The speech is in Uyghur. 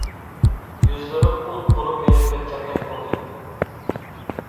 يۈزلىرىم ئوت بولۇپ يېنىپ كەتكەندەك بولدى.